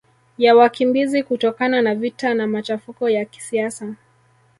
ya wakimbizi kutokana na vita na machafuko ya kisiasa